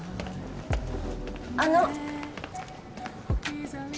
あの。